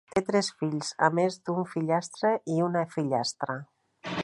Té tres fills, a més d'un fillastre i una fillastra.